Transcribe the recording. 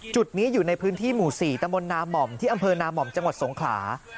จุดนี้อยู่ในพื้นที่หมู่๔ตมนาม่อมที่อำเภอนาม่อมจังหวัดสงขลา